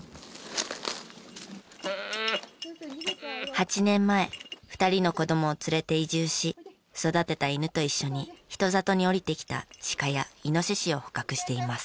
８年前２人の子供を連れて移住し育てた犬と一緒に人里に下りてきた鹿や猪を捕獲しています。